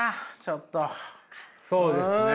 そうですね。